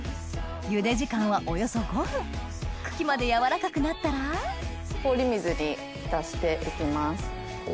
茹で時間はおよそ５分茎まで軟らかくなったら氷水に浸していきます。